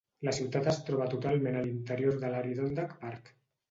La ciutat es troba totalment a l'interior del Adirondack Park.